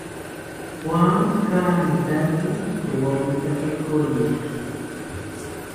Juan kanitaki ikowawita koriki